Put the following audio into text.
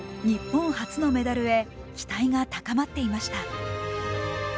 日本初のメダルへ期待が高まっていました。